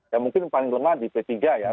ya mungkin paling lemah di p tiga ya